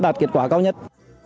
đạt kết quả cao nhất